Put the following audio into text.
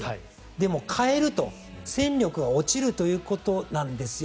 でも代えると、戦力が落ちるということなんですよ。